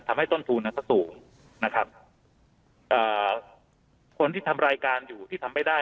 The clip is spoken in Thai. ต้นทุนนั้นก็สูงนะครับเอ่อคนที่ทำรายการอยู่ที่ทำไม่ได้